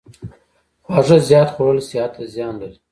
خواږه زیات خوړل صحت ته زیان لري.